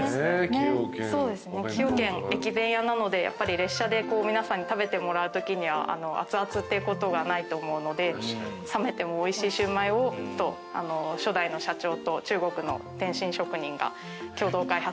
そうですね崎陽軒駅弁屋なのでやっぱり列車で皆さんに食べてもらうときには熱々っていうことがないと思うので「冷めてもおいしいシウマイを」と初代の社長と中国の点心職人が共同開発しました。